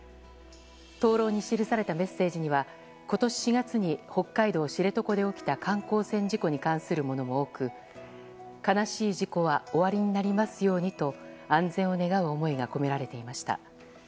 灯篭に記されたメッセージには今年４月に北海道知床で起きた観光船事故に関するものも多く悲しい事故は終わりになりますようにと安全を願う思いが込められていました。